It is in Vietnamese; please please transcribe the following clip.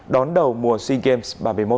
đón đầu mùa sea games ba mươi một